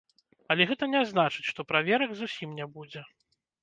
Але гэта не значыць, што праверак зусім не будзе.